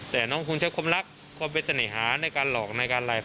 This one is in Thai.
แต่น้องคุณใช้ความรักความเป็นเสน่หาในการหลอกในการอะไร